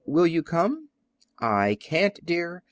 Will you come?" "I can't, dear.